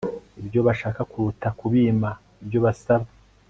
ibyo bashaka kuruta kubima ibyo basaba